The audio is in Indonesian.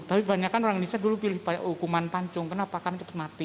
tapi banyak kan orang indonesia dulu pilih hukuman panjung kenapa kan cepat mati